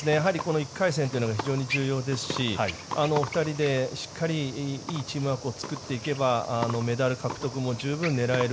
１回戦というのが非常に重要ですし２人でしっかりいいチームワークを作っていけばメダル獲得も十分狙える